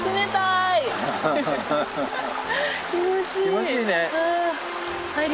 気持ちいいね。